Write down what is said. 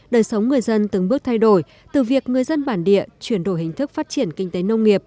đời sống người dân từng bước thay đổi từ việc người dân bản địa chuyển đổi hình thức phát triển kinh tế nông nghiệp